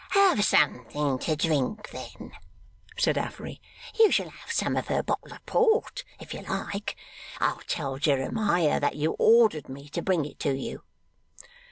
'Have something to drink, then,' said Affery; 'you shall have some of her bottle of port, if you like. I'll tell Jeremiah that you ordered me to bring it you.